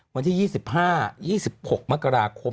วันที่๒๕๒๖มกราคม